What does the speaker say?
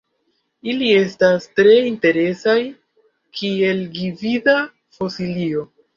Ili estas tre interesaj kiel gvida fosilio.